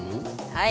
はい。